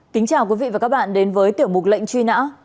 kính chào quý vị và các bạn đến với tiểu mục lệnh truy nã